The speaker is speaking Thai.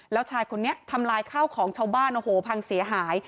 แล้วชายคนนี้ทำลายข้าวของชาวบ้านโอ้โหพังเสียหาย